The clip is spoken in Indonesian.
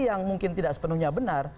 yang mungkin tidak sepenuhnya benar